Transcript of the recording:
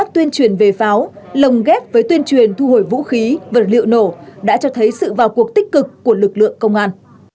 tuyên truyền về pháo lồng ghép với tuyên truyền thu hồi vũ khí vật liệu nổ đã cho thấy sự vào cuộc tích cực của lực lượng công an